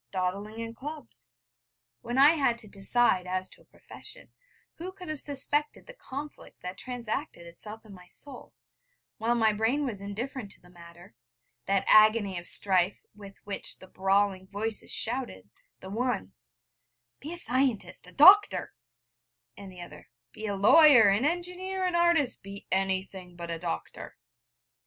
dawdling in clubs. When I had to decide as to a profession, who could have suspected the conflict that transacted itself in my soul, while my brain was indifferent to the matter that agony of strife with which the brawling voices shouted, the one: 'Be a scientist a doctor,' and the other: 'Be a lawyer, an engineer, an artist be anything but a doctor!'